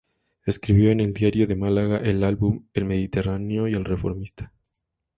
Escribió en el "Diario de Málaga", "El Álbum", "El Mediterráneo" y "El Reformista".